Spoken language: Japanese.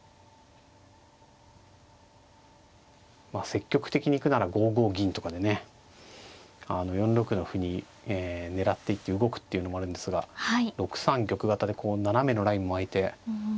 積極的に行くなら５五銀とかでね４六の歩に狙っていって動くっていうのもあるんですが６三玉型で斜めのラインもあいて。